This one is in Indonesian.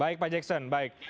baik pak jackson baik